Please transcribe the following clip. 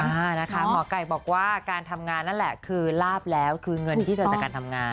นะคะหมอไก่บอกว่าการทำงานนั่นแหละคือลาบแล้วคือเงินที่เจอจากการทำงาน